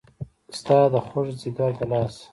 ستا د خوږ ځیګر د لاسه